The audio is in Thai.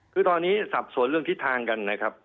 คือตอนนี้สับสนเรื่องทิศทางกันนะครับ